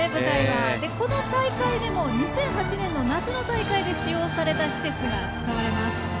この大会でも２００８年の夏の大会で使用された施設が使われます。